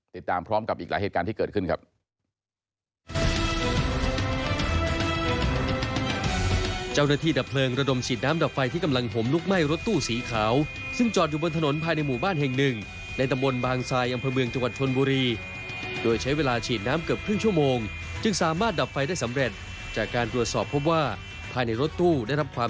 ติดตามพร้อมกับอีกหลายเหตุการณ์ที่เกิดขึ้นครับ